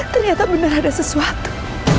ternyata benar ada sesuatu